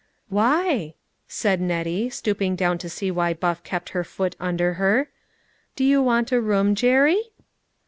" Why ?" said Nettie, stooping down to see why Buff kept her foot under her. " Do you want a room, Jerry